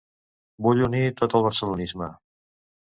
Vull unir tot el barcelonisme.